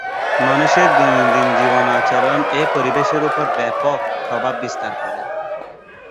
মানুষের দৈনন্দিন জীবনাচরণ এ পরিবেশের ওপর ব্যাপক প্রভাব বিস্তার করে।